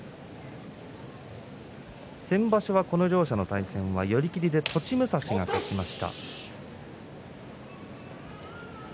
先場所はこの両者の対戦は寄り切りで栃武蔵が勝っています。